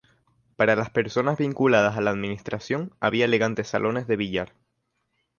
Para las personas vinculadas a la administración había elegantes salones de billar.